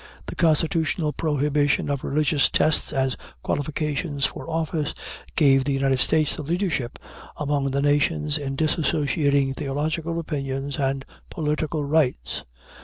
The constitutional prohibition of religious tests as qualifications for office gave the United States the leadership among the nations in dissociating theological opinions and political rights.